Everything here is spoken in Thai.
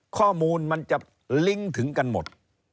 ข้อมูลมันจะลิงก์ถึงกันหมด